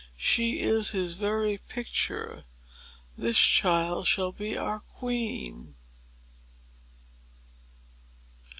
She is his very picture. This child shall be our queen!"